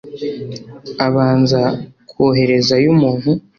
abanza koherezayo umuntu